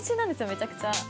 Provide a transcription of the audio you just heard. めちゃくちゃ。